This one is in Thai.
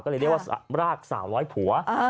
เลยเรียกว่าราค๓๐๐ผัว